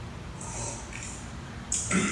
د زړښت نښې اوس کرار کرار احساسوم.